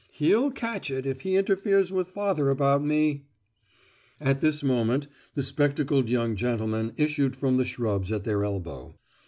He'll catch it if he interferes with father about me!" At this moment the spectacled young gentleman issued from the shrubs at their elbow.